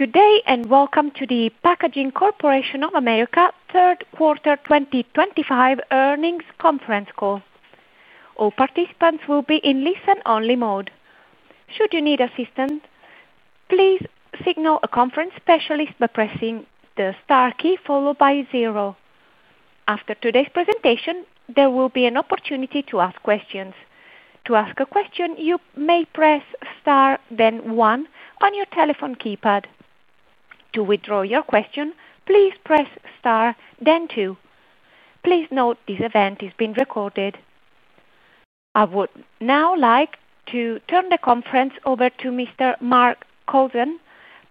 Good day and welcome to the Packaging Corporation of America third quarter 2025 earnings conference call. All participants will be in listen-only mode. Should you need assistance, please signal a conference specialist by pressing the star key followed by zero. After today's presentation, there will be an opportunity to ask questions. To ask a question, you may press star, then one on your telephone keypad. To withdraw your question, please press star, then two. Please note this event is being recorded. I would now like to turn the conference over to Mr. Mark Kowlzan.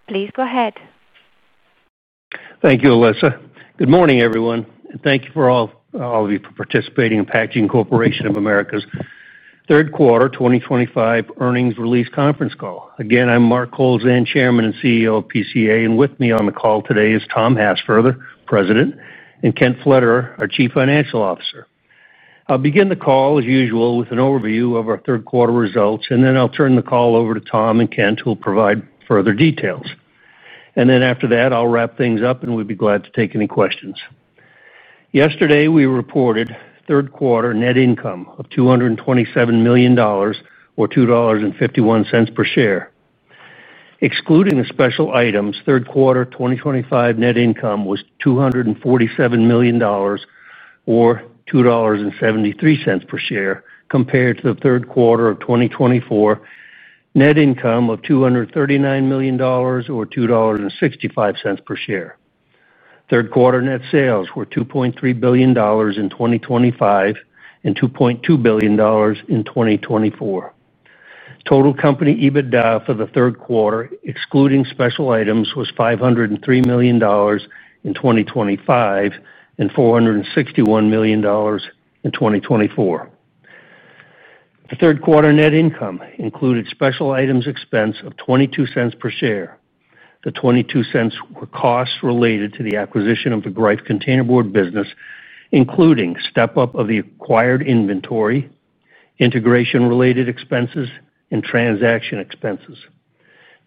Please go ahead. Thank you, Alyssa. Good morning, everyone, and thank you for all of you for participating in Packaging Corporation of America's third quarter 2025 earnings release conference call. Again, I'm Mark Kowlzan, Chairman and CEO of PCA, and with me on the call today is Tom Hassfurther, President, and Kent Pflederer, our Chief Financial Officer. I'll begin the call, as usual, with an overview of our third quarter results, then I'll turn the call over to Tom and Kent, who will provide further details. After that, I'll wrap things up, and we'd be glad to take any questions. Yesterday, we reported third quarter net income of $227 million or $2.51 per share. Excluding the special items, third quarter 2025 net income was $247 million or $2.73 per share, compared to the third quarter of 2024, net income of $239 million or $2.65 per share. Third quarter net sales were $2.3 billion in 2025 and $2.2 billion in 2024. Total company EBITDA for the third quarter, excluding special items, was $503 million in 2025 and $461 million in 2024. The third quarter net income included special items expense of $0.22 per share. The $0.22 were costs related to the acquisition of the Greif containerboard business, including step-up of the acquired inventory, integration-related expenses, and transaction expenses.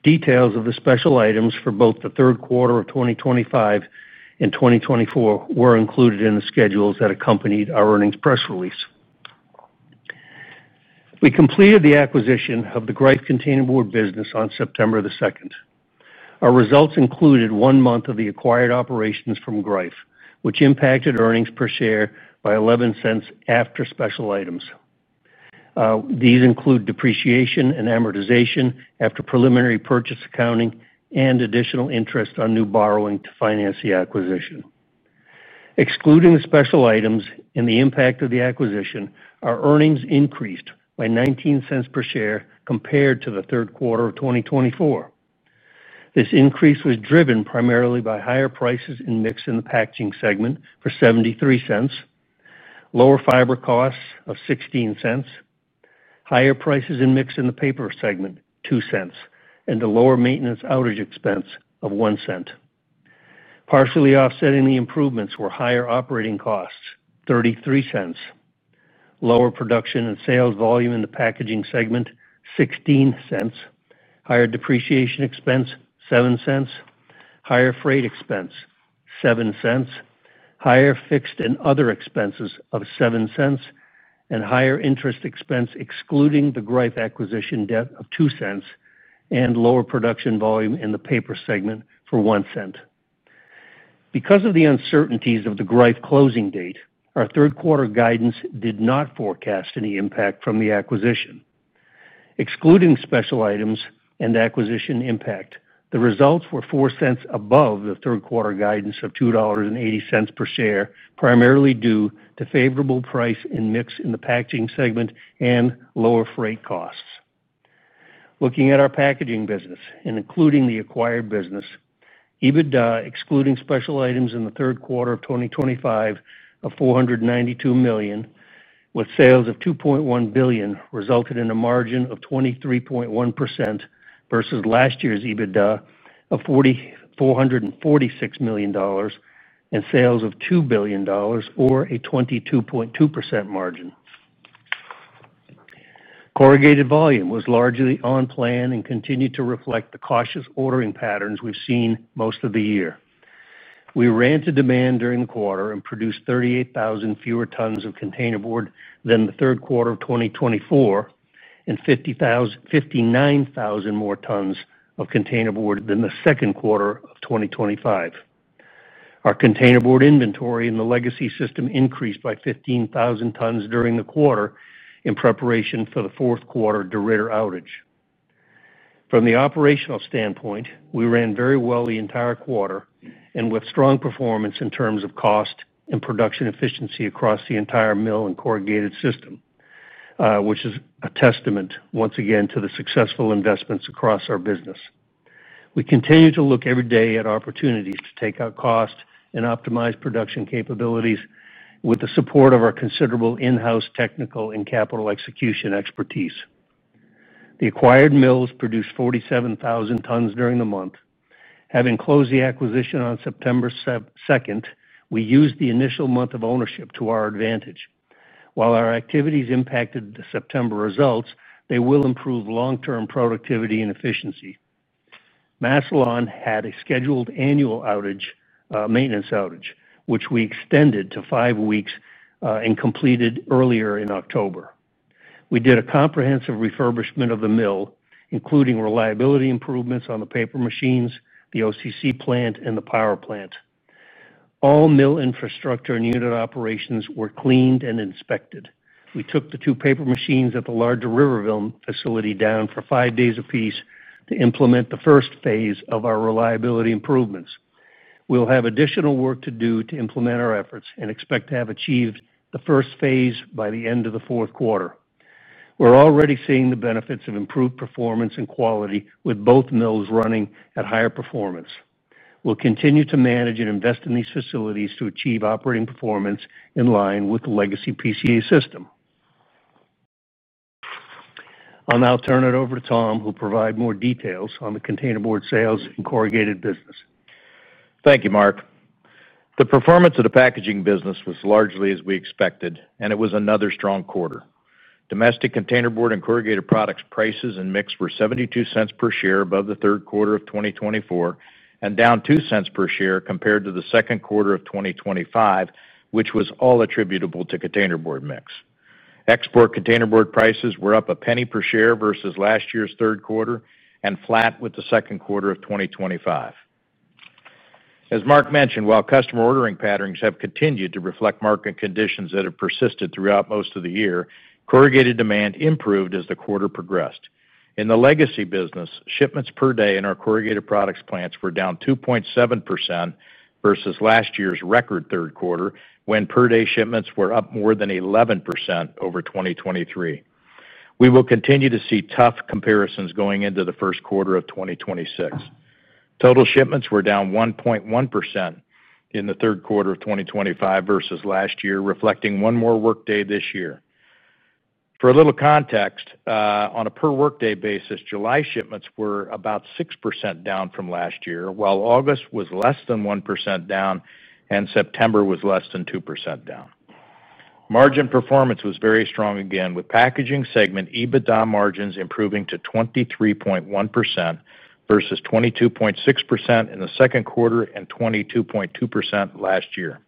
Details of the special items for both the third quarter of 2025 and 2024 were included in the schedules that accompanied our earnings press release. We completed the acquisition of the Greif containerboard business on September 2. Our results included one month of the acquired operations from Greif, which impacted earnings per share by $0.11 after special items. These include depreciation and amortization after preliminary purchase accounting and additional interest on new borrowing to finance the acquisition. Excluding the special items and the impact of the acquisition, our earnings increased by $0.19 per share compared to the third quarter of 2024. This increase was driven primarily by higher prices in mix in the packaging segment for $0.73, lower fiber costs of $0.16, higher prices in mix in the paper segment, $0.02, and a lower maintenance outage expense of $0.01. Partially offsetting the improvements were higher operating costs, $0.33, lower production and sales volume in the packaging segment, $0.16, higher depreciation expense, $0.07, higher freight expense, $0.07, higher fixed and other expenses of $0.07, higher interest expense excluding the Greif acquisition debt of $0.02, and lower production volume in the paper segment for $0.01. Because of the uncertainties of the Greif closing date, our third quarter guidance did not forecast any impact from the acquisition. Excluding special items and acquisition impact, the results were $0.04 above the third quarter guidance of $2.80 per share, primarily due to favorable price in mix in the packaging segment and lower freight costs. Looking at our packaging business and including the acquired business, EBITDA, excluding special items in the third quarter of 2025, of $492 million, with sales of $2.1 billion resulted in a margin of 23.1% versus last year's EBITDA of $446 million and sales of $2 billion, or a 22.2% margin. Corrugated volume was largely on plan and continued to reflect the cautious ordering patterns we've seen most of the year. We ran to demand during the quarter and produced 38,000 fewer tons of containerboard than the third quarter of 2024 and 59,000 more tons of containerboard than the second quarter of 2025. Our containerboard inventory in the legacy system increased by 15,000 tons during the quarter in preparation for the fourth quarter DeRidder outage. From the operational standpoint, we ran very well the entire quarter and with strong performance in terms of cost and production efficiency across the entire mill and corrugated system, which is a testament once again to the successful investments across our business. We continue to look every day at opportunities to take out cost and optimize production capabilities with the support of our considerable in-house technical and capital execution expertise. The acquired mills produced 47,000 tons during the month. Having closed the acquisition on September 2nd, we used the initial month of ownership to our advantage. While our activities impacted the September results, they will improve long-term productivity and efficiency. Massillon had a scheduled annual maintenance outage, which we extended to five weeks and completed earlier in October. We did a comprehensive refurbishment of the mill, including reliability improvements on the paper machines, the OCC plant, and the power plant. All mill infrastructure and unit operations were cleaned and inspected. We took the two paper machines at the larger Riverview facility down for five days apiece to implement the first phase of our reliability improvements. We'll have additional work to do to implement our efforts and expect to have achieved the first phase by the end of the fourth quarter. We're already seeing the benefits of improved performance and quality with both mills running at higher performance. We'll continue to manage and invest in these facilities to achieve operating performance in line with the legacy PCA system. I'll now turn it over to Tom, who will provide more details on the containerboard sales and corrugated business. Thank you, Mark. The performance of the packaging business was largely as we expected, and it was another strong quarter. Domestic containerboard and corrugated products prices and mix were $0.72 per share above the third quarter of 2024 and down $0.02 per share compared to the second quarter of 2025, which was all attributable to containerboard mix. Export containerboard prices were up $0.01 per share versus last year's third quarter and flat with the second quarter of 2025. As Mark mentioned, while customer ordering patterns have continued to reflect market conditions that have persisted throughout most of the year, corrugated demand improved as the quarter progressed. In the legacy business, shipments per day in our corrugated products plants were down 2.7% versus last year's record third quarter when per day shipments were up more than 11% over 2023. We will continue to see tough comparisons going into the first quarter of 2026. Total shipments were down 1.1% in the third quarter of 2025 versus last year, reflecting one more workday this year. For a little context, on a per workday basis, July shipments were about 6% down from last year, while August was less than 1% down and September was less than 2% down. Margin performance was very strong again, with packaging segment EBITDA margins improving to 23.1% versus 22.6% in the second quarter and 22.2% last year.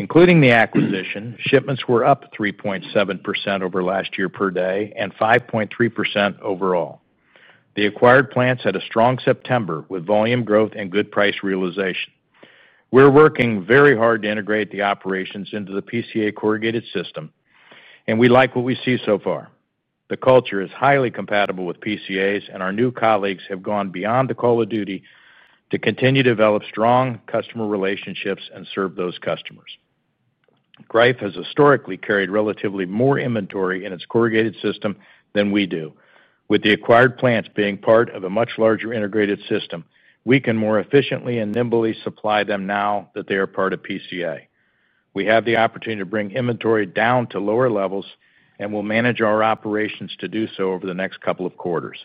Including the acquisition, shipments were up 3.7% over last year per day and 5.3% overall. The acquired plants had a strong September with volume growth and good price realization. We're working very hard to integrate the operations into the PCA corrugated system, and we like what we see so far. The culture is highly compatible with PCA's, and our new colleagues have gone beyond the call of duty to continue to develop strong customer relationships and serve those customers. Greif has historically carried relatively more inventory in its corrugated system than we do. With the acquired plants being part of a much larger integrated system, we can more efficiently and nimbly supply them now that they are part of PCA. We have the opportunity to bring inventory down to lower levels, and we'll manage our operations to do so over the next couple of quarters.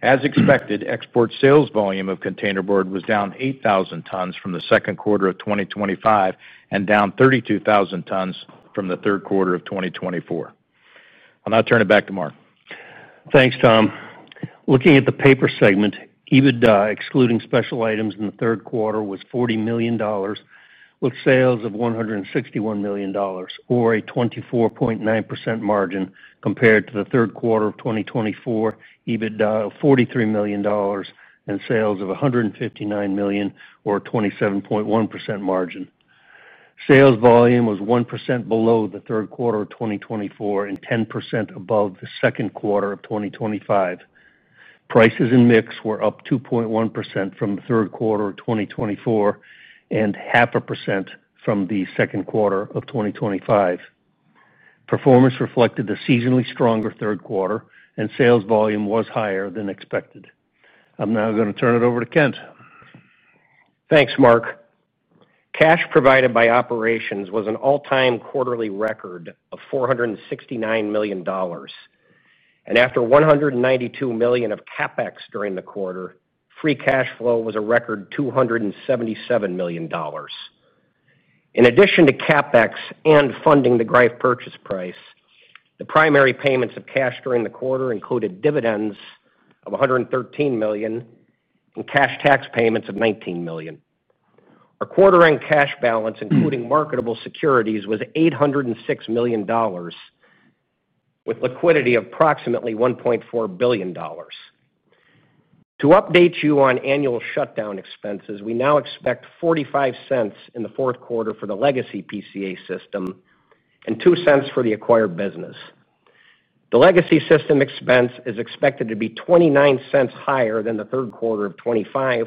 As expected, export sales volume of containerboard was down 8,000 tons from the second quarter of 2025 and down 32,000 tons from the third quarter of 2024. I'll now turn it back to Mark. Thanks, Tom. Looking at the paper segment, EBITDA excluding special items in the third quarter was $40 million, with sales of $161 million, or a 24.9% margin. Compared to the third quarter of 2024, EBITDA was $43 million, and sales were $159 million, or a 27.1% margin. Sales volume was 1% below the third quarter of 2024 and 10% above the second quarter of 2025. Prices in mix were up 2.1% from the third quarter of 2024 and 0.5% from the second quarter of 2025. Performance reflected the seasonally stronger third quarter, and sales volume was higher than expected. I'm now going to turn it over to Kent. Thanks, Mark. Cash provided by operations was an all-time quarterly record of $469 million, and after $192 million of capital expenditure during the quarter, free cash flow was a record $277 million. In addition to capital expenditure and funding the Greif purchase price, the primary payments of cash during the quarter included dividends of $113 million and cash tax payments of $19 million. Our quarter-end cash balance, including marketable securities, was $806 million, with liquidity of approximately $1.4 billion. To update you on annual shutdown expenses, we now expect $0.45 in the fourth quarter for the legacy Packaging Corporation of America system and $0.02 for the acquired business. The legacy system expense is expected to be $0.29 higher than the third quarter of 2025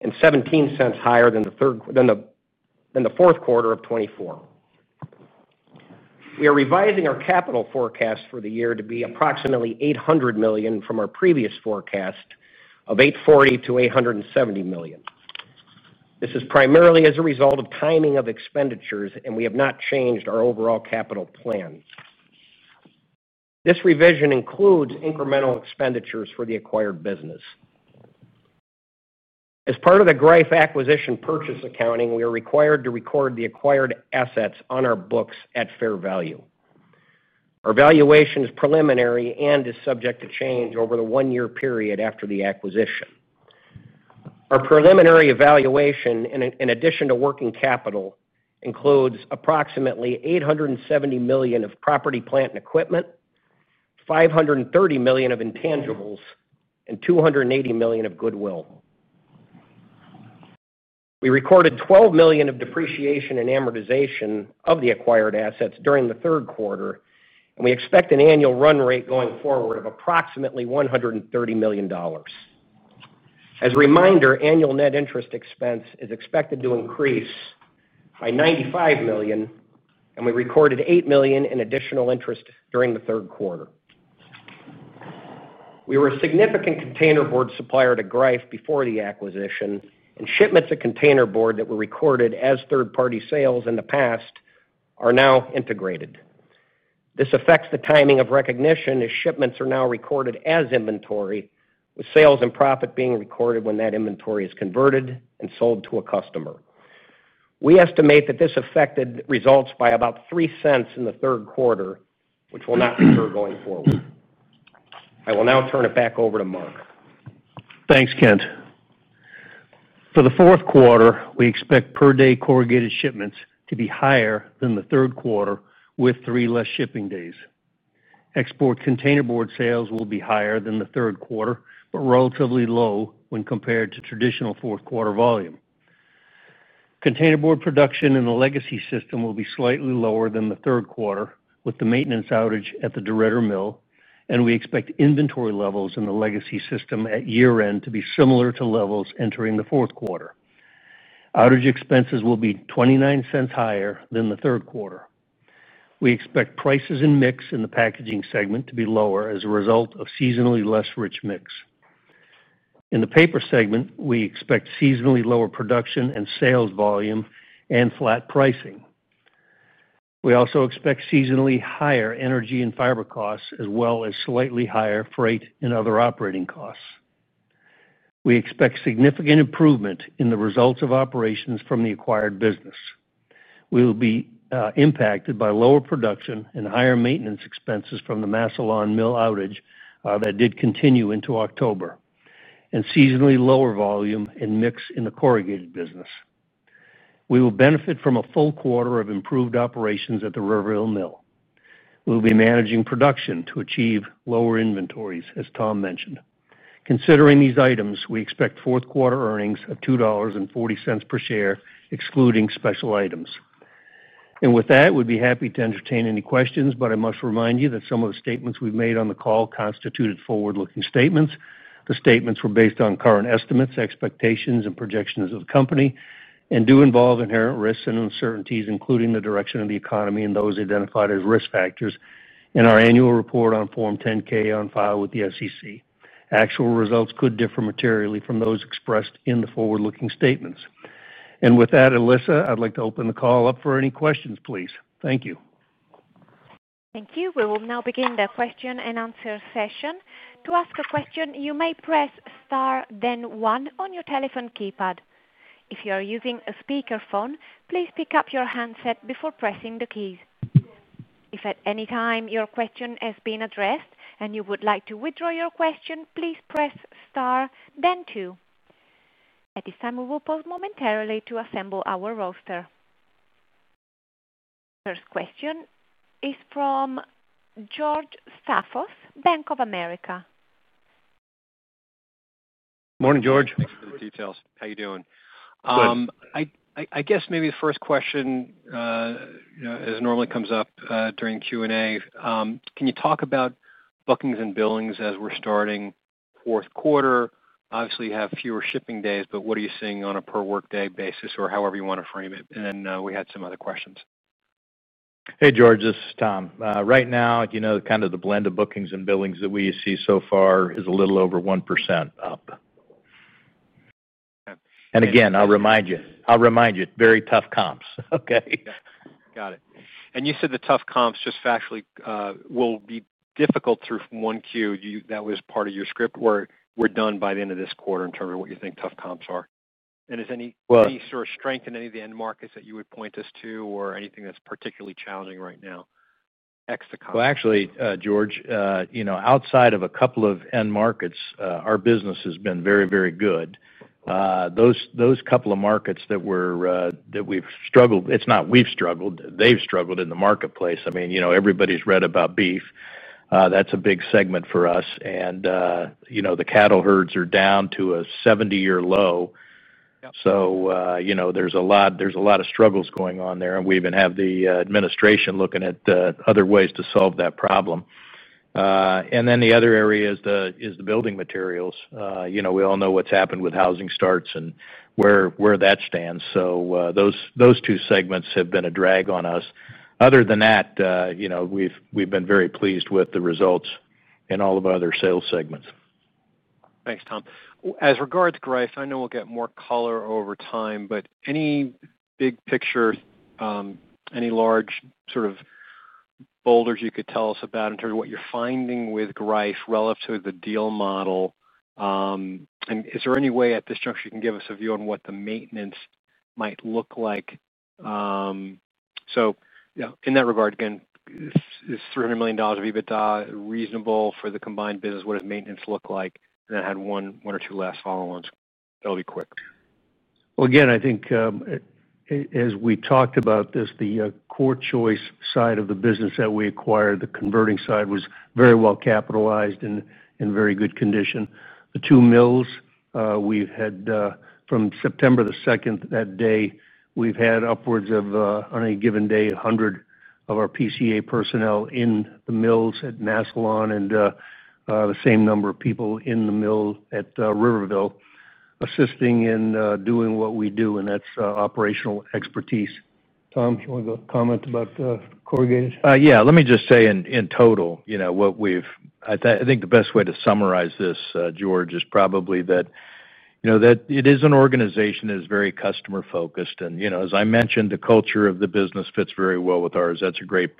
and $0.17 higher than the fourth quarter of 2024. We are revising our capital forecast for the year to be approximately $800 million from our previous forecast of $840 to $870 million. This is primarily as a result of timing of expenditures, and we have not changed our overall capital plan. This revision includes incremental expenditures for the acquired business. As part of the Greif acquisition purchase accounting, we are required to record the acquired assets on our books at fair value. Our valuation is preliminary and is subject to change over the one-year period after the acquisition. Our preliminary evaluation, in addition to working capital, includes approximately $870 million of property, plant, and equipment, $530 million of intangibles, and $280 million of goodwill. We recorded $12 million of depreciation and amortization of the acquired assets during the third quarter, and we expect an annual run rate going forward of approximately $130 million. As a reminder, annual net interest expense is expected to increase by $95 million, and we recorded $8 million in additional interest during the third quarter. We were a significant containerboard supplier to Greif before the acquisition, and shipments of containerboard that were recorded as third-party sales in the past are now integrated. This affects the timing of recognition as shipments are now recorded as inventory, with sales and profit being recorded when that inventory is converted and sold to a customer. We estimate that this affected results by about $0.03 in the third quarter, which will not occur going forward. I will now turn it back over to Mark. Thanks, Kent. For the fourth quarter, we expect per-day corrugated shipments to be higher than the third quarter with three less shipping days. Export containerboard sales will be higher than the third quarter, but relatively low when compared to traditional fourth-quarter volume. Containerboard production in the legacy system will be slightly lower than the third quarter with the maintenance outage at the DeRidder Mill, and we expect inventory levels in the legacy system at year-end to be similar to levels entering the fourth quarter. Outage expenses will be $0.29 higher than the third quarter. We expect prices and mix in the packaging segment to be lower as a result of seasonally less rich mix. In the paper segment, we expect seasonally lower production and sales volume and flat pricing. We also expect seasonally higher energy and fiber costs, as well as slightly higher freight and other operating costs. We expect significant improvement in the results of operations from the acquired business. We will be impacted by lower production and higher maintenance expenses from the Massillon Mill outage that did continue into October and seasonally lower volume and mix in the corrugated business. We will benefit from a full quarter of improved operations at the Riverview Mill. We'll be managing production to achieve lower inventories, as Tom mentioned. Considering these items, we expect fourth-quarter earnings of $2.40 per share, excluding special items. With that, we'd be happy to entertain any questions, but I must remind you that some of the statements we've made on the call constituted forward-looking statements. The statements were based on current estimates, expectations, and projections of the company and do involve inherent risks and uncertainties, including the direction of the economy and those identified as risk factors in our annual report on Form 10-K on file with the SEC. Actual results could differ materially from those expressed in the forward-looking statements. With that, Alyssa, I'd like to open the call up for any questions, please. Thank you. Thank you. We will now begin the question and answer session. To ask a question, you may press star, then one on your telephone keypad. If you are using a speakerphone, please pick up your handset before pressing the keys. If at any time your question has been addressed and you would like to withdraw your question, please press star, then two. At this time, we will pause momentarily to assemble our roster. First question is from George Staphos, Bank of America. Morning, George. Thanks for the details. How are you doing? I guess maybe the first question, as it normally comes up during Q&A, can you talk about bookings and billings as we're starting the fourth quarter? Obviously, you have fewer shipping days, but what are you seeing on a per-workday basis or however you want to frame it? We had some other questions. Hey, George. This is Tom. Right now, you know, kind of the blend of bookings and billings that we see so far is a little over 1% up. I'll remind you, very tough comps, okay? Got it. You said the tough comps just factually will be difficult through Q1. That was part of your script where we're done by the end of this quarter in terms of what you think tough comps are. Is there any sort of strength in any of the end markets that you would point us to or anything that's particularly challenging right now? Extra comps. Actually, George, you know, outside of a couple of end markets, our business has been very, very good. Those couple of markets that we've struggled, it's not we've struggled, they've struggled in the marketplace. I mean, you know, everybody's read about beef. That's a big segment for us, and you know, the cattle herds are down to a 70-year low. Yeah, you know, there's a lot of struggles going on there, and we even have the administration looking at other ways to solve that problem. The other area is the building materials. You know, we all know what's happened with housing starts and where that stands. Those two segments have been a drag on us. Other than that, you know, we've been very pleased with the results in all of our other sales segments. Thanks, Tom. As regards to Greif, I know we'll get more color over time, but any big picture, any large sort of boulders you could tell us about in terms of what you're finding with Greif relative to the deal model? Is there any way at this juncture you can give us a view on what the maintenance might look like? In that regard, is $300 million of EBITDA reasonable for the combined business? What does maintenance look like? I had one or two last follow-ons. That'll be quick. I think as we talked about this, the CoreChoice side of the business that we acquired, the converting side was very well capitalized and in very good condition. The two mills, we've had from September 2, that day, we've had upwards of, on any given day, 100 of our PCA personnel in the mills at Massillon and the same number of people in the mill at Riverview assisting in doing what we do, and that's operational expertise. Tom, do you want to comment about the corrugated? Let me just say in total, what we've, I think the best way to summarize this, George, is probably that it is an organization that is very customer-focused. As I mentioned, the culture of the business fits very well with ours. That's a great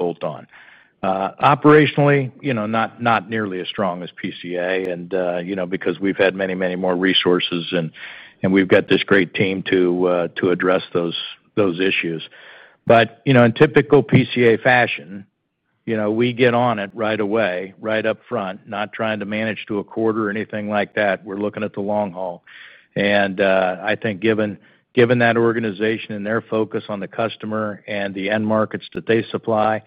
bolt-on. Operationally, not nearly as strong as PCA, because we've had many, many more resources and we've got this great team to address those issues. In typical PCA fashion, we get on it right away, right up front, not trying to manage to a quarter or anything like that. We're looking at the long haul. I think given that organization and their focus on the customer and the end markets that they supply,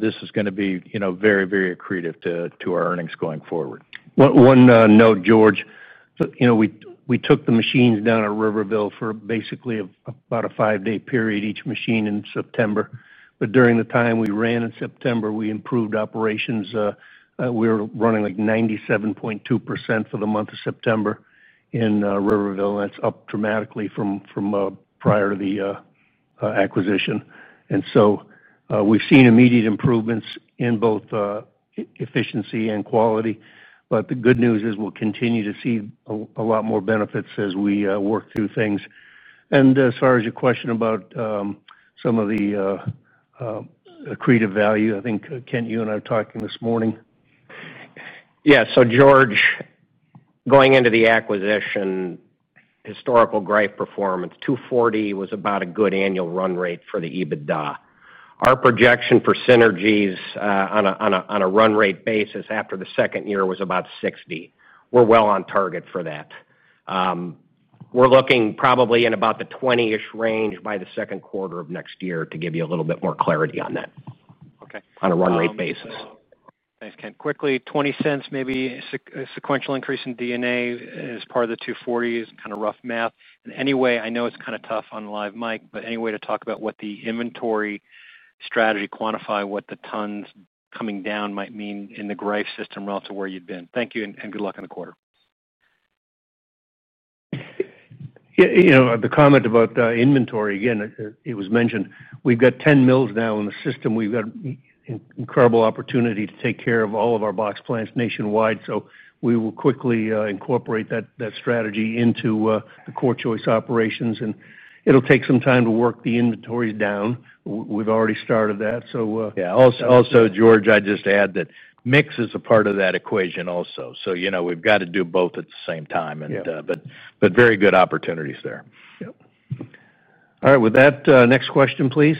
this is going to be very, very accretive to our earnings going forward. One note, George, you know, we took the machines down at Riverview for basically about a five-day period, each machine in September. During the time we ran in September, we improved operations. We were running like 97.2% for the month of September in Riverview, and that's up dramatically from prior to the acquisition. We've seen immediate improvements in both efficiency and quality. The good news is we'll continue to see a lot more benefits as we work through things. As far as your question about some of the accretive value, I think, Kent, you and I were talking this morning. Yeah. George, going into the acquisition, historical Greif performance, $240 million was about a good annual run rate for the EBITDA. Our projection for synergies on a run-rate basis after the second year was about $60 million. We're well on target for that. We're looking probably in about the $20 million range by the second quarter of next year to give you a little bit more clarity on that. Okay. On a run-rate basis. Thanks, Kent. Quickly, $0.20 maybe a sequential increase in D&A as part of the 240s, kind of rough math. Anyway, I know it's kind of tough on the live mic, but any way to talk about what the inventory strategy, quantify what the tons coming down might mean in the Greif system relative to where you'd been. Thank you and good luck in the quarter. Yeah, you know, the comment about inventory, again, it was mentioned. We've got 10 mills now in the system. We've got an incredible opportunity to take care of all of our box plants nationwide. We will quickly incorporate that strategy into the CoreChoice operations. It'll take some time to work the inventories down. We've already started that. Yeah, also, George, I'd just add that mix is a part of that equation also. You know, we've got to do both at the same time. Yeah. are very good opportunities there. All right. With that, next question, please.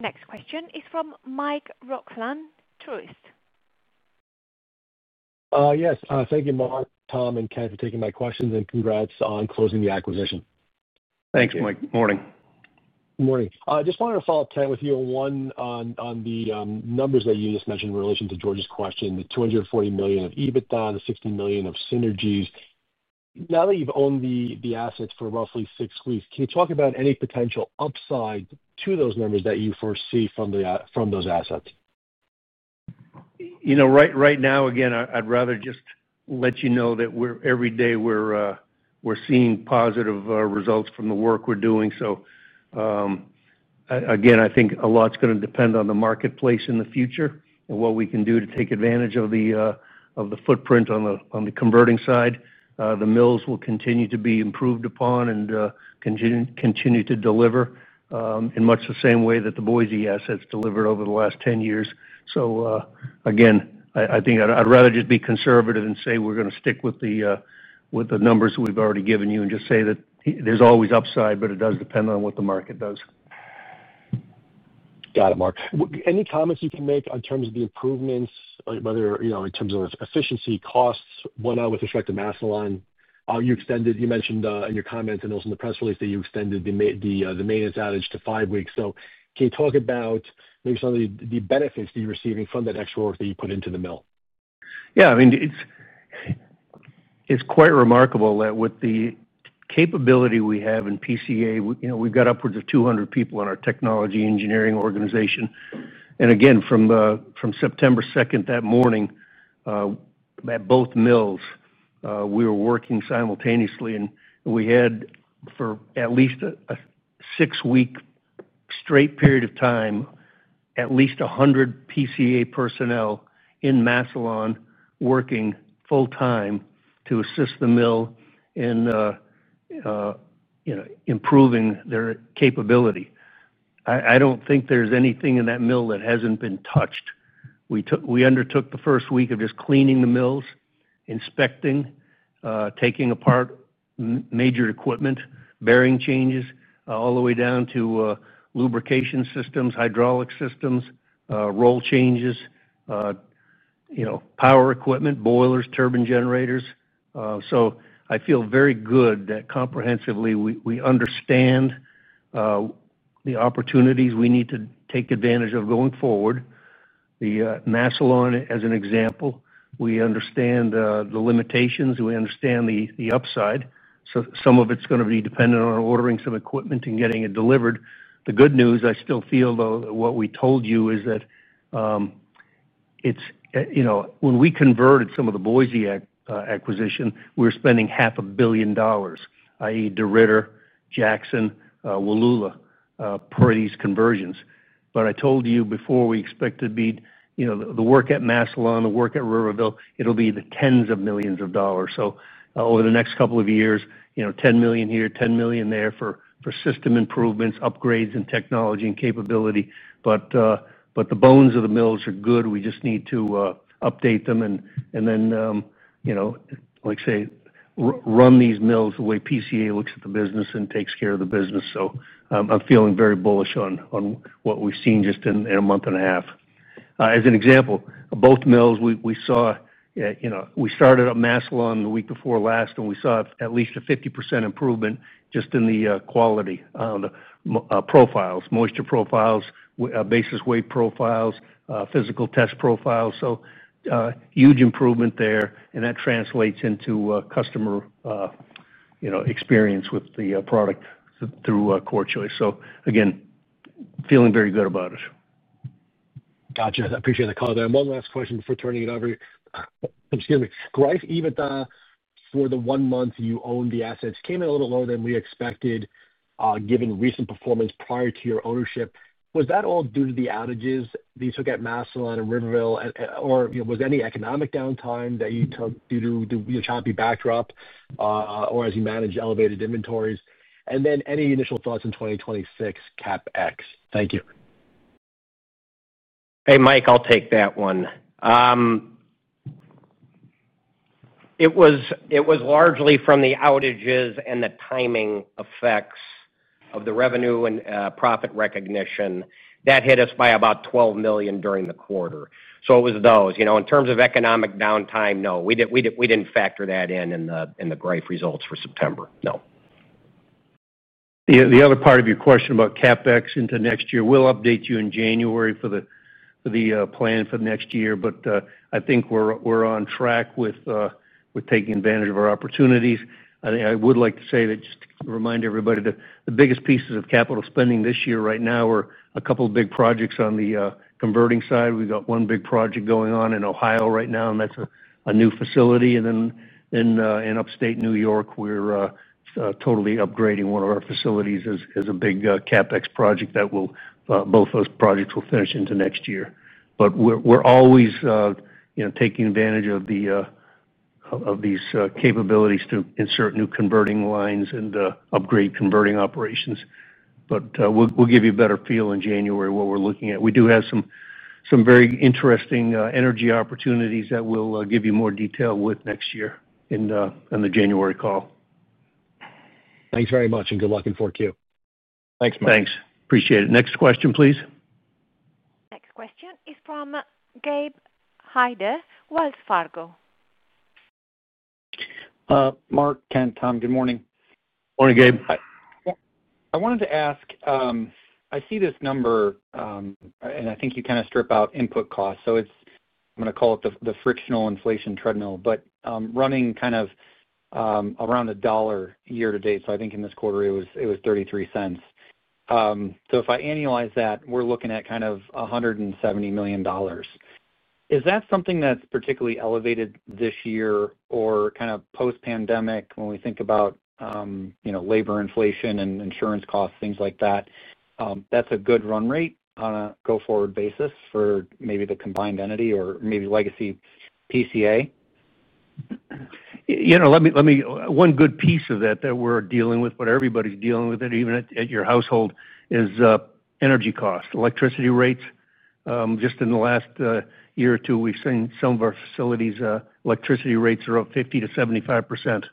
Next question is from Mike Roxland, Truist. Yes. Thank you, Mark, Tom, and Kent, for taking my questions, and congrats on closing the acquisition. Thanks, Mike. Morning. Morning. I just wanted to follow up, Kent, with you on one on the numbers that you just mentioned in relation to George's question, the $240 million of EBITDA, the $60 million of synergies. Now that you've owned the assets for roughly six weeks, can you talk about any potential upside to those numbers that you foresee from those assets? Right now, again, I'd rather just let you know that every day we're seeing positive results from the work we're doing. I think a lot's going to depend on the marketplace in the future and what we can do to take advantage of the footprint on the converting side. The mills will continue to be improved upon and continue to deliver in much the same way that the Boise assets delivered over the last 10 years. I think I'd rather just be conservative and say we're going to stick with the numbers that we've already given you and just say that there's always upside, but it does depend on what the market does. Got it, Mark. Any comments you can make in terms of the improvements, whether, you know, in terms of efficiency, costs, whatnot with respect to Massillon? You mentioned in your comments and also in the press release that you extended the maintenance outage to five weeks. Can you talk about maybe some of the benefits that you're receiving from that extra work that you put into the mill? Yeah. I mean, it's quite remarkable that with the capability we have in PCA, you know, we've got upwards of 200 people in our technology engineering organization. Again, from September 2nd that morning, at both mills, we were working simultaneously. We had for at least a six-week straight period of time, at least 100 PCA personnel in Massillon working full-time to assist the mill in improving their capability. I don't think there's anything in that mill that hasn't been touched. We undertook the first week of just cleaning the mills, inspecting, taking apart major equipment, bearing changes, all the way down to lubrication systems, hydraulic systems, roll changes, power equipment, boilers, turbine generators. I feel very good that comprehensively we understand the opportunities we need to take advantage of going forward. The Massillon, as an example, we understand the limitations and we understand the upside. Some of it's going to be dependent on ordering some equipment and getting it delivered. The good news, I still feel, though, what we told you is that it's, you know, when we converted some of the Boise acquisition, we were spending half a billion dollars, i.e., DeRidder, Jackson, Walula for these conversions. I told you before we expect to be, you know, the work at Massillon, the work at Riverview, it'll be the tens of millions of dollars. Over the next couple of years, you know, $10 million here, $10 million there for system improvements, upgrades, and technology and capability. The bones of the mills are good. We just need to update them and then, you know, like I say, run these mills the way PCA looks at the business and takes care of the business. I'm feeling very bullish on what we've seen just in a month and a half. As an example, both mills, we saw, you know, we started up Massillon the week before last, and we saw at least a 50% improvement just in the quality on the profiles, moisture profiles, basis weight profiles, physical test profiles. Huge improvement there. That translates into customer, you know, experience with the product through CoreChoice. Again, feeling very good about it. Gotcha. I appreciate the call there. One last question before turning it over. Excuse me. Greif EBITDA for the one month you owned the assets came in a little lower than we expected, given recent performance prior to your ownership. Was that all due to the outages that you took at Massillon and Riverview, or was there any economic downtime that you took due to the choppy backdrop, or as you managed elevated inventories? Any initial thoughts in 2026 CapEx? Thank you. Hey, Mike, I'll take that one. It was largely from the outages and the timing effects of the revenue and profit recognition that hit us by about $12 million during the quarter. It was those. In terms of economic downtime, no, we didn't factor that in in the Greif results for September. No. The other part of your question about CapEx into next year, we'll update you in January for the plan for the next year. I think we're on track with taking advantage of our opportunities. I would like to say that just to remind everybody that the biggest pieces of capital spending this year right now are a couple of big projects on the converting side. We've got one big project going on in Ohio right now, and that's a new facility. In upstate New York, we're totally upgrading one of our facilities as a big CapEx project. Both those projects will finish into next year. We're always taking advantage of these capabilities to insert new converting lines and upgrade converting operations. We'll give you a better feel in January what we're looking at. We do have some very interesting energy opportunities that we'll give you more detail with next year in the January call. Thanks very much, and good luck in the fourth quarter. Thanks, Mike. Thanks. Appreciate it. Next question, please. Next question is from Gabe Hajde, Wells Fargo. Mark, Kent, Tom, good morning. Morning, Gabe. Hi. I wanted to ask, I see this number, and I think you kind of stripped out input costs. It's, I'm going to call it the frictional inflation treadmill, but running kind of around a dollar year to date. I think in this quarter it was $0.33. If I annualize that, we're looking at kind of $170 million. Is that something that's particularly elevated this year or kind of post-pandemic when we think about, you know, labor inflation and insurance costs, things like that? That's a good run rate on a go-forward basis for maybe the combined entity or maybe legacy PCA? Let me, one good piece of that that we're dealing with, but everybody's dealing with it, even at your household, is energy costs, electricity rates. Just in the last year or two, we've seen some of our facilities' electricity rates are up 50% to 75%.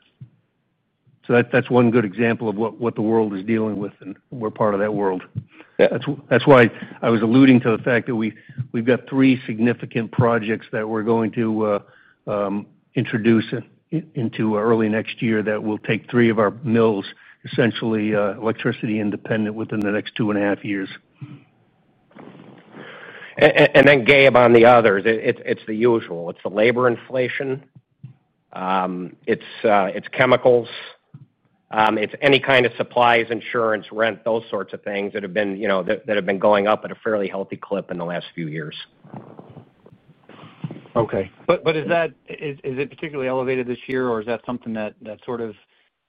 That's one good example of what the world is dealing with, and we're part of that world. That's why I was alluding to the fact that we've got three significant projects that we're going to introduce into early next year that will take three of our mills, essentially electricity independent, within the next two and a half years. On the others, it's the usual. It's the labor inflation, chemicals, any kind of supplies, insurance, rent, those sorts of things that have been going up at a fairly healthy clip in the last few years. Okay. Is it particularly elevated this year, or is that something that sort of.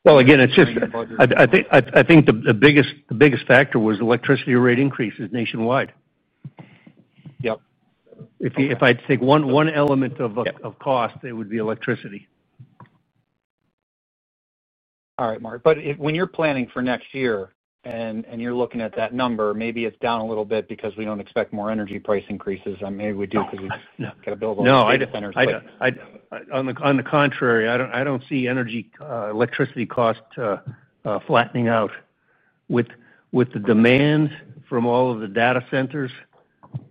I think the biggest factor was electricity rate increases nationwide. Yep. If I take one element of cost, it would be electricity. All right, Mark. When you're planning for next year and you're looking at that number, maybe it's down a little bit because we don't expect more energy price increases. Maybe we do because we've got to build those data centers. No, I don't. On the contrary, I don't see energy electricity costs flattening out. With the demand from all of the data centers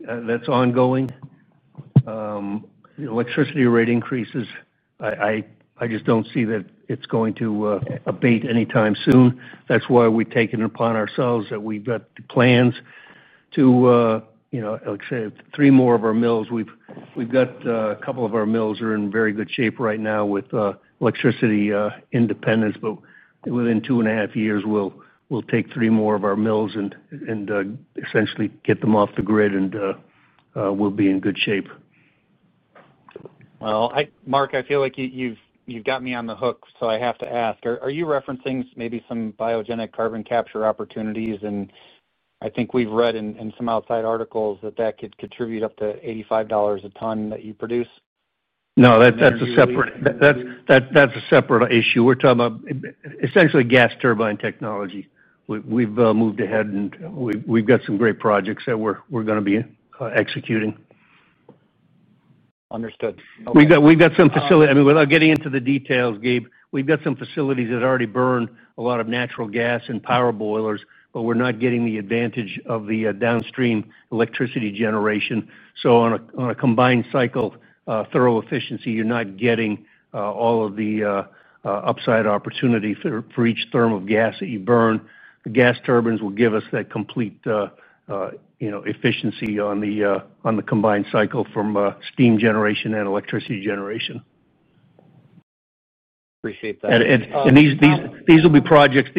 that's ongoing, the electricity rate increases, I just don't see that it's going to abate anytime soon. That's why we've taken it upon ourselves that we've got plans to, like I say, three more of our mills. We've got a couple of our mills that are in very good shape right now with electricity independence. Within two and a half years, we'll take three more of our mills and essentially get them off the grid, and we'll be in good shape. Mark, I feel like you've got me on the hook, so I have to ask, are you referencing maybe some biogenic carbon capture opportunities? I think we've read in some outside articles that that could contribute up to $85 a ton that you produce. No, that's a separate issue. We're talking about essentially gas turbine technology. We've moved ahead, and we've got some great projects that we're going to be executing. Understood. We've got some facilities. Without getting into the details, Gabe, we've got some facilities that already burn a lot of natural gas in power boilers, but we're not getting the advantage of the downstream electricity generation. On a combined cycle thermal efficiency, you're not getting all of the upside opportunity for each thermal gas that you burn. The gas turbines will give us that complete efficiency on the combined cycle from steam generation and electricity generation. Appreciate that. These will be projects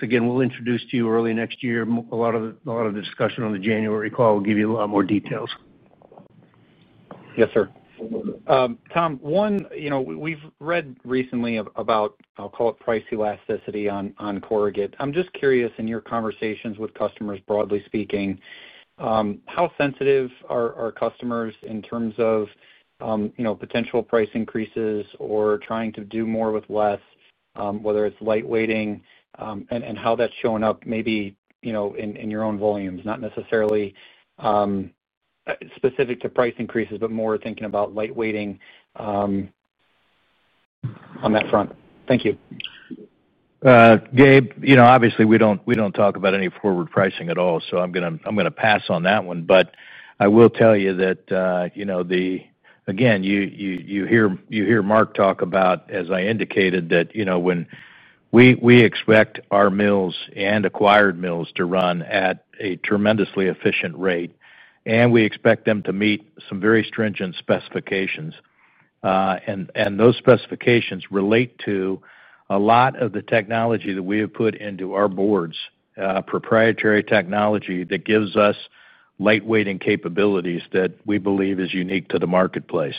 we’ll introduce to you early next year. A lot of the discussion on the January call will give you a lot more details. Yes, sir. Tom, one, we've read recently about, I'll call it price elasticity on corrugate. I'm just curious, in your conversations with customers, broadly speaking, how sensitive are customers in terms of, you know, potential price increases or trying to do more with less, whether it's lightweighting and how that's showing up, maybe, you know, in your own volumes, not necessarily specific to price increases, but more thinking about lightweighting on that front. Thank you. Gabe, you know, obviously, we don't talk about any forward pricing at all, so I'm going to pass on that one. I will tell you that, you know, again, you hear Mark talk about, as I indicated, that, you know, when we expect our mills and acquired mills to run at a tremendously efficient rate, we expect them to meet some very stringent specifications. Those specifications relate to a lot of the technology that we have put into our boards, proprietary technology that gives us lightweighting capabilities that we believe is unique to the marketplace.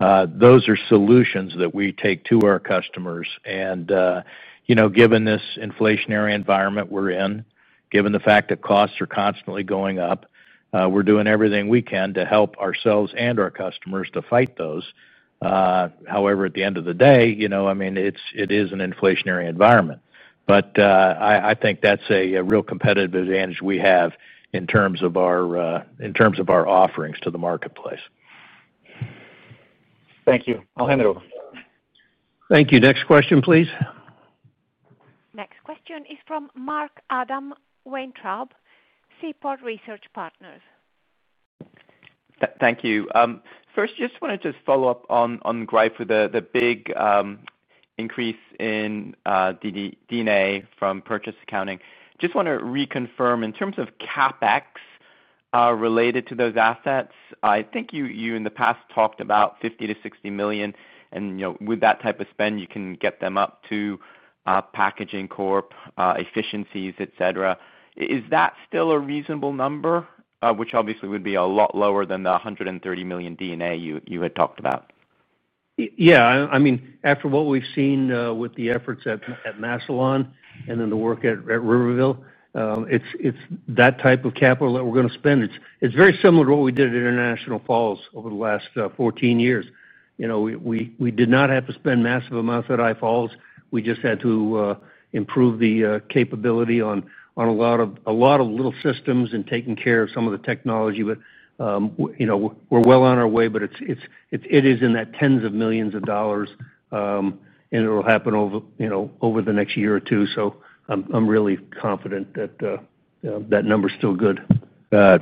Those are solutions that we take to our customers. Given this inflationary environment we're in, given the fact that costs are constantly going up, we're doing everything we can to help ourselves and our customers to fight those. However, at the end of the day, you know, it is an inflationary environment. I think that's a real competitive advantage we have in terms of our offerings to the marketplace. Thank you. I'll hand it over. Thank you. Next question, please. Next question is from Mark Weintraub, Seaport Research Partners. Thank you. First, I just want to follow up on Greif with the big increase in D&A from purchase accounting. Just want to reconfirm in terms of CapEx related to those assets. I think you, in the past, talked about $50 to $60 million, and you know, with that type of spend, you can get them up to Packaging Corp efficiencies, etc. Is that still a reasonable number, which obviously would be a lot lower than the $130 million D&A you had talked about? Yeah. I mean, after what we've seen with the efforts at Massillon and then the work at Riverview, it's that type of capital that we're going to spend. It's very similar to what we did at International Falls over the last 14 years. We did not have to spend massive amounts at International Falls. We just had to improve the capability on a lot of little systems and taking care of some of the technology. We're well on our way, and it is in that tens of millions of dollars, and it'll happen over the next year or two. I'm really confident that that number is still good.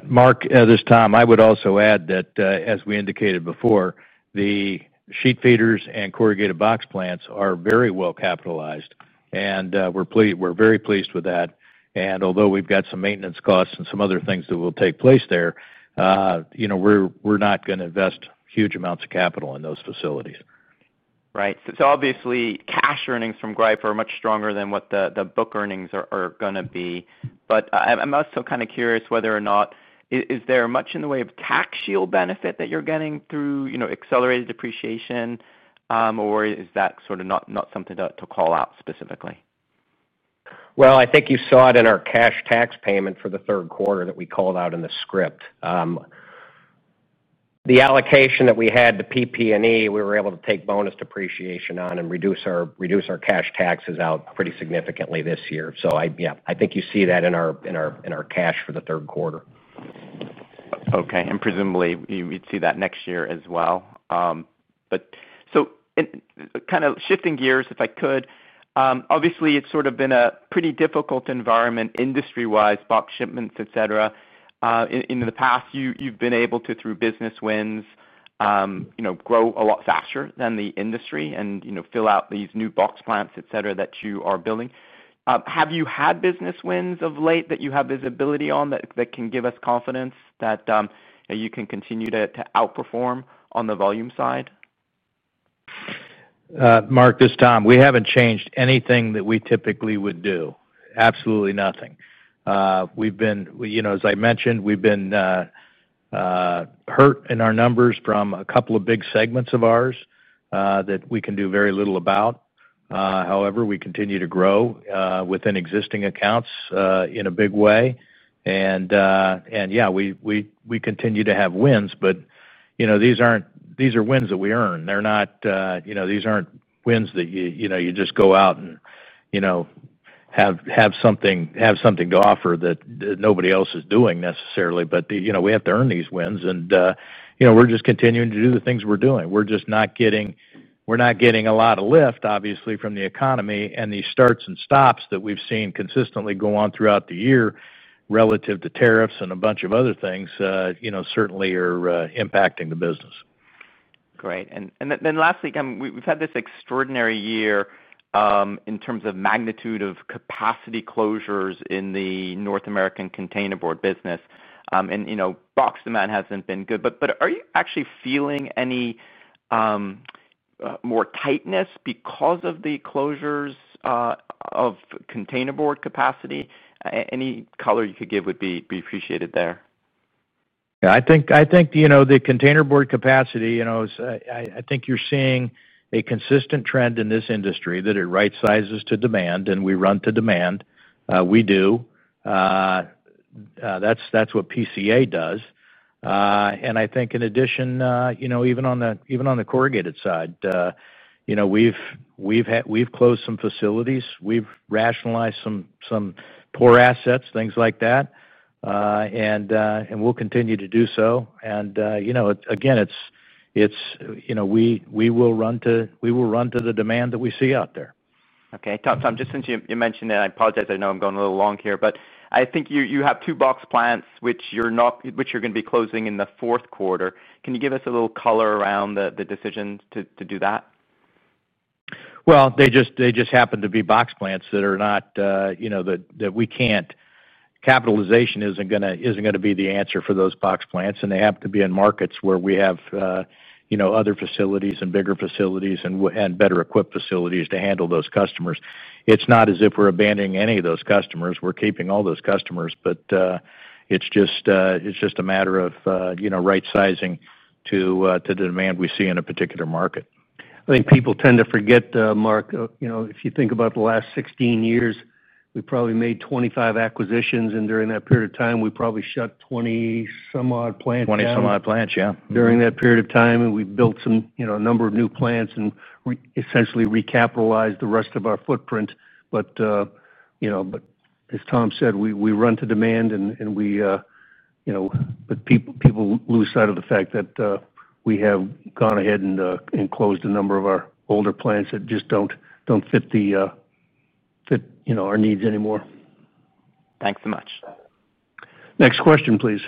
Mark, at this time, I would also add that, as we indicated before, the sheet feeders and corrugated box plants are very well capitalized, and we're very pleased with that. Although we've got some maintenance costs and some other things that will take place there, you know, we're not going to invest huge amounts of capital in those facilities. Right. Obviously, cash earnings from Greif are much stronger than what the book earnings are going to be. I'm also kind of curious whether or not there is much in the way of tax shield benefit that you're getting through, you know, accelerated depreciation, or is that sort of not something to call out specifically? I think you saw it in our cash tax payment for the third quarter that we called out in the script. The allocation that we had to PP&E, we were able to take bonus depreciation on and reduce our cash taxes out pretty significantly this year. I think you see that in our cash for the third quarter. Okay. Presumably, we'd see that next year as well. Kind of shifting gears, if I could, obviously, it's sort of been a pretty difficult environment industry-wise, box shipments, etc. In the past, you've been able to, through business wins, grow a lot faster than the industry and fill out these new box plants, etc., that you are building. Have you had business wins of late that you have visibility on that can give us confidence that you can continue to outperform on the volume side? Mark, at this time, we haven't changed anything that we typically would do. Absolutely nothing. As I mentioned, we've been hurt in our numbers from a couple of big segments of ours that we can do very little about. However, we continue to grow within existing accounts in a big way. We continue to have wins, but these are wins that we earn. They're not wins that you just go out and have something to offer that nobody else is doing necessarily. We have to earn these wins. We're just continuing to do the things we're doing. We're just not getting a lot of lift, obviously, from the economy. These starts and stops that we've seen consistently go on throughout the year relative to tariffs and a bunch of other things certainly are impacting the business. Great. Lastly, we've had this extraordinary year in terms of magnitude of capacity closures in the North American containerboard business. You know, box demand hasn't been good. Are you actually feeling any more tightness because of the closures of containerboard capacity? Any color you could give would be appreciated there. I think the containerboard capacity, you know, I think you're seeing a consistent trend in this industry that it right-sizes to demand, and we run to demand. We do. That's what PCA does. I think in addition, even on the corrugated side, we've closed some facilities. We've rationalized some poor assets, things like that. We'll continue to do so. You know, again, we will run to the demand that we see out there. Okay. Tom, just since you mentioned that, I apologize. I know I'm going a little long here, but I think you have two box plants which you're not, which you're going to be closing in the fourth quarter. Can you give us a little color around the decision to do that? They just happen to be box plants that are not, you know, that we can't, capitalization isn't going to be the answer for those box plants. They happen to be in markets where we have, you know, other facilities and bigger facilities and better equipped facilities to handle those customers. It's not as if we're abandoning any of those customers. We're keeping all those customers, but it's just a matter of, you know, right-sizing to the demand we see in a particular market. I think people tend to forget, Mark, you know, if you think about the last 16 years, we probably made 25 acquisitions. During that period of time, we probably shut 20-some odd plants. Twenty-some odd plants, yeah. During that period of time, we built a number of new plants and essentially recapitalized the rest of our footprint. As Tom said, we run to demand. People lose sight of the fact that we have gone ahead and closed a number of our older plants that just don't fit our needs anymore. Thanks so much. Next question, please.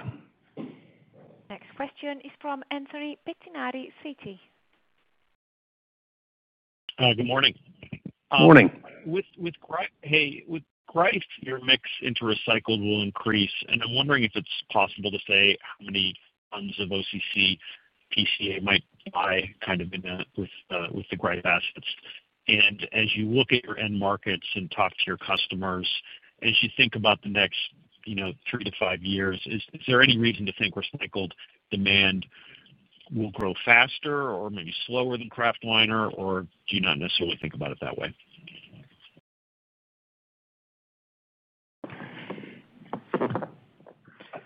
Next question is from Anthony Pettinari, Citi. Good morning. Morning. With Greif, your mix into recycled will increase. I'm wondering if it's possible to say how many tons of OCC PCA might buy with the Greif assets. As you look at your end markets and talk to your customers, as you think about the next three to five years, is there any reason to think recycled demand will grow faster or maybe slower than Kraft-Weiner, or do you not necessarily think about it that way?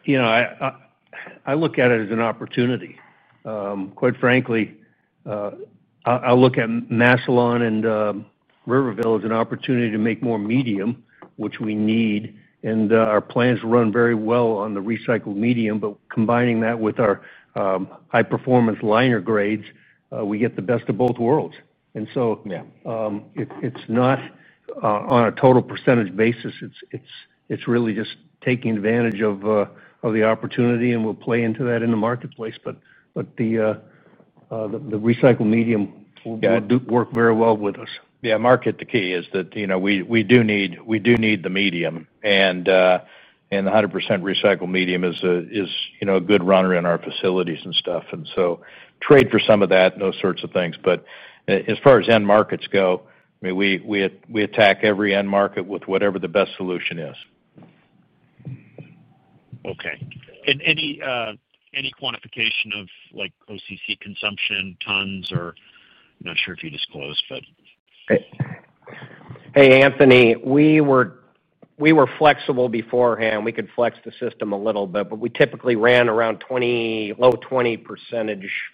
You know, I look at it as an opportunity. Quite frankly, I look at Massillon and Riverview as an opportunity to make more medium, which we need. Our plans run very well on the recycled medium, and combining that with our high-performance liner grades, we get the best of both worlds. It's not on a total percentage basis. It's really just taking advantage of the opportunity, and we'll play into that in the marketplace. The recycled medium will work very well with us. Yeah. Mark, the key is that, you know, we do need the medium. The 100% recycled medium is, you know, a good runner in our facilities and stuff, and we trade for some of that, those sorts of things. As far as end markets go, I mean, we attack every end market with whatever the best solution is. Okay. Any quantification of like OCC consumption tons? I'm not sure if you disclosed, but. Hey, Anthony, we were flexible beforehand. We could flex the system a little bit, but we typically ran around low 20%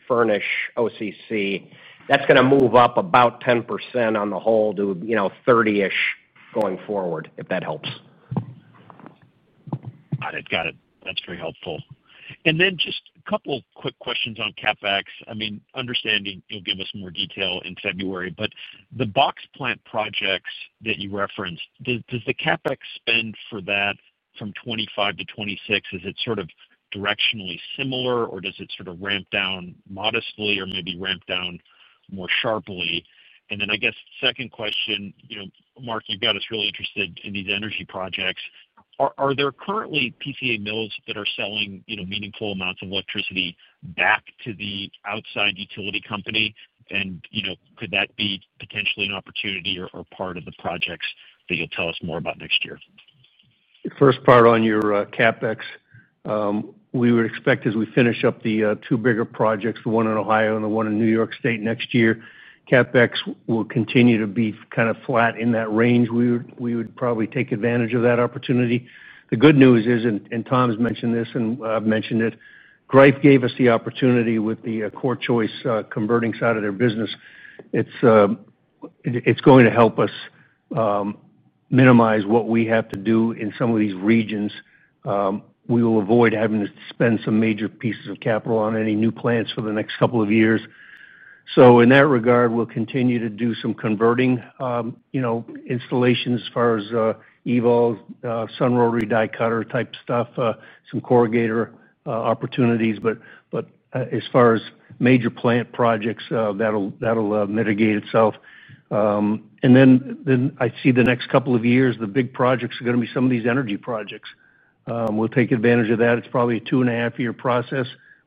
furnish OCC. That's going to move up about 10% on the whole to, you know, 30%-ish going forward, if that helps. Got it. That's very helpful. Just a couple of quick questions on CapEx. I mean, understanding you'll give us more detail in February, but the box plant projects that you referenced, does the CapEx spend for that from 2025 to 2026, is it sort of directionally similar, or does it ramp down modestly or maybe ramp down more sharply? I guess the second question, you know, Mark, you've got us really interested in these energy projects. Are there currently PCA mills that are selling meaningful amounts of electricity back to the outside utility company? Could that be potentially an opportunity or part of the projects that you'll tell us more about next year? First part on your CapEx, we would expect as we finish up the two bigger projects, the one in Ohio and the one in New York State next year, CapEx will continue to be kind of flat in that range. We would probably take advantage of that opportunity. The good news is, and Tom's mentioned this and I've mentioned it, Greif gave us the opportunity with the CoreChoice converting side of their business. It's going to help us minimize what we have to do in some of these regions. We will avoid having to spend some major pieces of capital on any new plants for the next couple of years. In that regard, we'll continue to do some converting, you know, installations as far as EVOL, SunRoad Redye Cutter type stuff, some corrugator opportunities. As far as major plant projects, that'll mitigate itself. I see the next couple of years, the big projects are going to be some of these energy projects. We'll take advantage of that. It's probably a two-and-a-half-year process.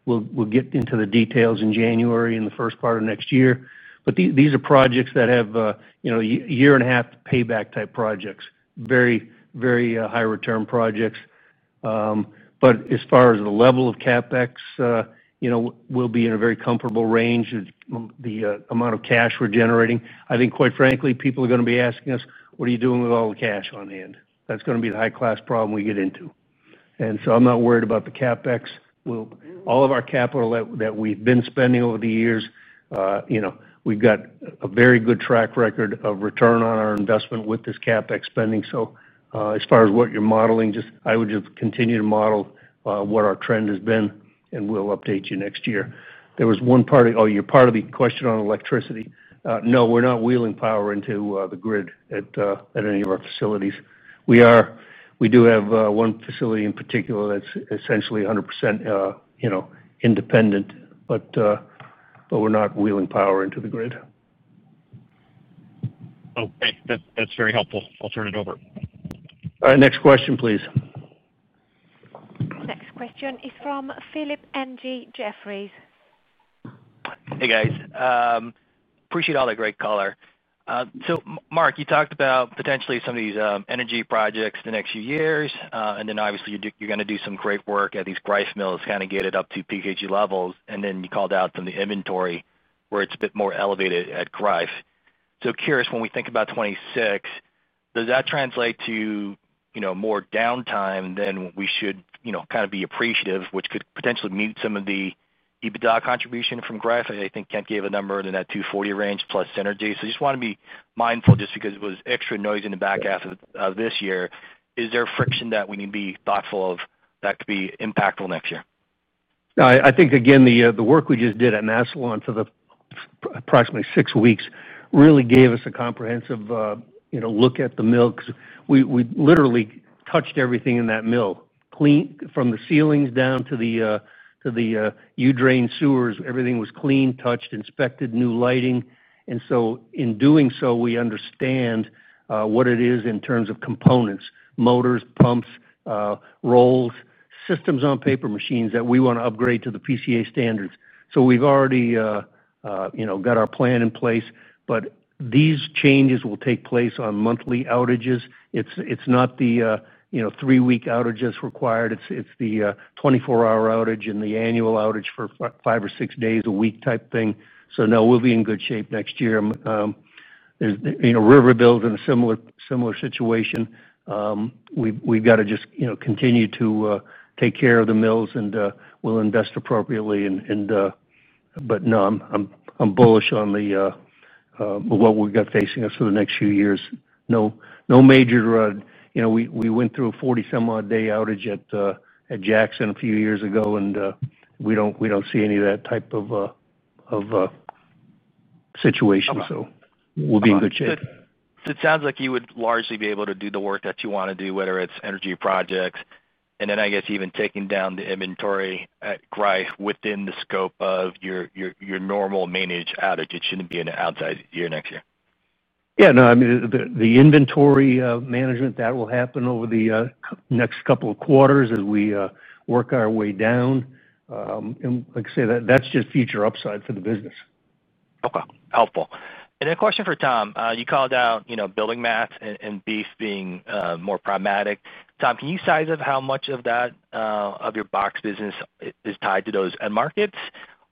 We'll get into the details in January and the first part of next year. These are projects that have, you know, a year-and-a-half payback type projects, very, very high-return projects. As far as the level of CapEx, you know, we'll be in a very comfortable range. The amount of cash we're generating, I think, quite frankly, people are going to be asking us, "What are you doing with all the cash on hand?" That's going to be the high-class problem we get into. I'm not worried about the CapEx. All of our capital that we've been spending over the years, you know, we've got a very good track record of return on our investment with this CapEx spending. As far as what you're modeling, I would just continue to model what our trend has been, and we'll update you next year. There was one part of, oh, your part of the question on electricity. No, we're not wheeling power into the grid at any of our facilities. We are, we do have one facility in particular that's essentially 100% independent, but we're not wheeling power into the grid. Okay, that's very helpful. I'll turn it over. All right. Next question, please. Next question is from Philip Ng, Jefferies. Hey, guys. Appreciate all the great color. Mark, you talked about potentially some of these energy projects the next few years, and obviously you're going to do some great work at these Greif mills, kind of get it up to PCA levels. You called out some of the inventory where it's a bit more elevated at Greif. Curious, when we think about 2026, does that translate to more downtime than we should be appreciative, which could potentially mute some of the EBITDA contribution from Greif? I think Kent gave a number in that $240 million range plus synergy. I just want to be mindful just because it was extra noisy in the back half of this year. Is there friction that we need to be thoughtful of that could be impactful next year? I think, again, the work we just did at Massillon for the approximately six weeks really gave us a comprehensive look at the mill because we literally touched everything in that mill, cleaned from the ceilings down to the U-drain sewers. Everything was cleaned, touched, inspected, new lighting. In doing so, we understand what it is in terms of components, motors, pumps, rolls, systems on paper machines that we want to upgrade to the PCA standards. We've already got our plan in place. These changes will take place on monthly outages. It's not the three-week outages required. It's the 24-hour outage and the annual outage for five or six days a week type thing. We'll be in good shape next year. Riverview is in a similar situation. We've got to just continue to take care of the mills, and we'll invest appropriately. I'm bullish on what we've got facing us for the next few years. No major, you know, we went through a 40-some odd day outage at Jackson a few years ago, and we don't see any of that type of situation. We'll be in good shape. It sounds like you would largely be able to do the work that you want to do, whether it's energy projects. I guess even taking down the inventory at Greif within the scope of your normal managed outage, it shouldn't be an outside year next year. Yeah, no, I mean, the inventory management that will happen over the next couple of quarters as we work our way down. Like I say, that's just future upside for the business. Okay. Helpful. A question for Tom. You called out, you know, building math and beef being more pragmatic. Tom, can you size up how much of that of your box business is tied to those end markets?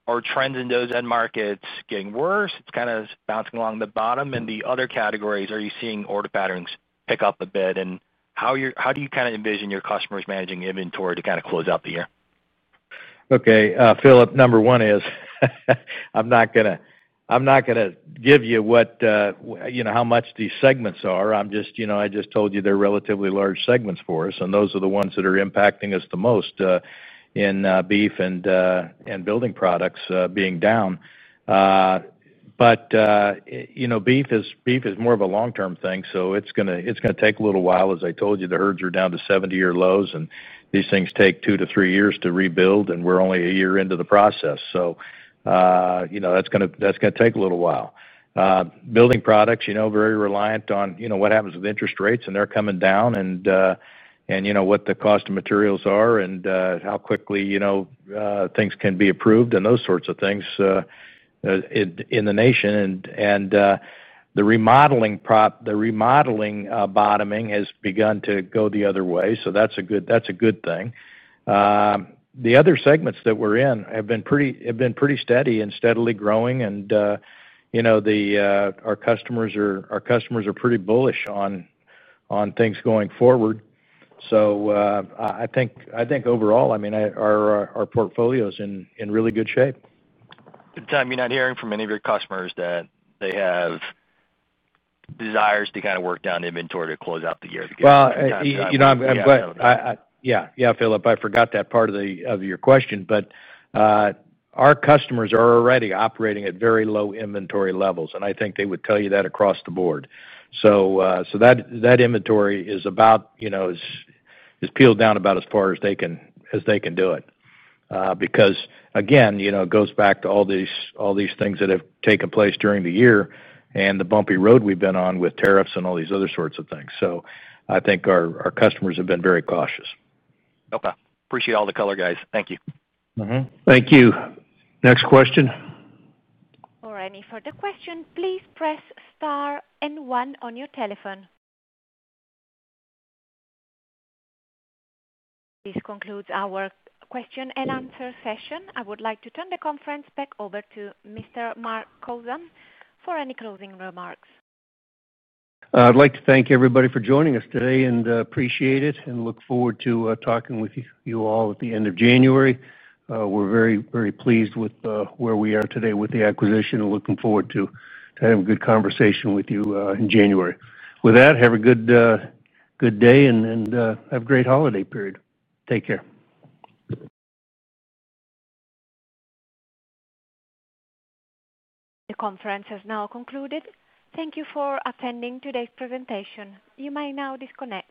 Are trends in those end markets getting worse? It's kind of bouncing along the bottom. In the other categories, are you seeing order patterns pick up a bit? How do you kind of envision your customers managing inventory to kind of close out the year? Okay. Philip, number one is I'm not going to give you what, you know, how much these segments are. I just told you they're relatively large segments for us, and those are the ones that are impacting us the most in beef and building products being down. Beef is more of a long-term thing, so it's going to take a little while. As I told you, the herds are down to 70-year lows, and these things take two to three years to rebuild. We're only a year into the process, so that's going to take a little while. Building products are very reliant on what happens with interest rates, and they're coming down, and what the cost of materials are and how quickly things can be approved and those sorts of things in the nation. The remodeling bottoming has begun to go the other way, so that's a good thing. The other segments that we're in have been pretty steady and steadily growing, and our customers are pretty bullish on things going forward. I think overall, our portfolio is in really good shape. Tom, you're not hearing from any of your customers that they have desires to kind of work down inventory to close out the year together. I'm glad. Philip, I forgot that part of your question. Our customers are already operating at very low inventory levels. I think they would tell you that across the board. That inventory is peeled down about as far as they can do it, because it goes back to all these things that have taken place during the year and the bumpy road we've been on with tariffs and all these other sorts of things. I think our customers have been very cautious. Okay. Appreciate all the color, guys. Thank you. Thank you. Next question. For any further question, please press star and one on your telephone. This concludes our question and answer session. I would like to turn the conference back over to Mr. Mark Kowlzan for any closing remarks. I'd like to thank everybody for joining us today and appreciate it and look forward to talking with you all at the end of January. We're very, very pleased with where we are today with the acquisition and looking forward to having a good conversation with you in January. With that, have a good day and have a great holiday period. Take care. The conference has now concluded. Thank you for attending today's presentation. You may now disconnect.